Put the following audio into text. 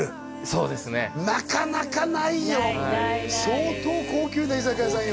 そうですねなかなかないよ相当高級な居酒屋さんよ